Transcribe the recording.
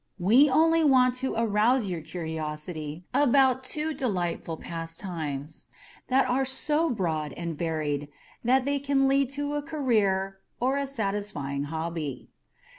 We only want to arouse your curiosity about two delightful pastimes that are so broad and varied that they can lead to a career or a satisfying hobby.